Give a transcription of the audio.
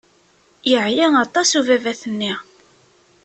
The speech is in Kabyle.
Yeɛya aṭas ubabat-nni.